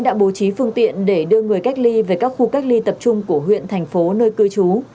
đã bố trí phương tiện để đưa người cách ly về các khu cách ly tập trung của huyện thành phố nơi cư trú